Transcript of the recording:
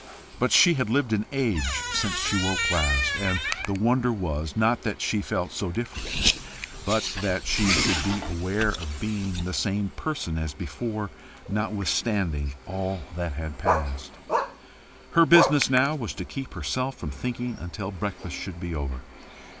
But she had lived an age since she woke last; and the wonder was, not that she felt so different, but that she should be aware of being the same person as before notwithstanding all that had passed. Her business now was to keep herself from thinking until breakfast should be over.